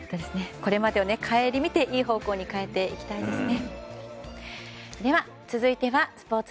これまでを顧みていい方向に変えていきたいですね。